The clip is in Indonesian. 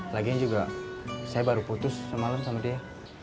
lagi juga saya baru putus semalam sama dia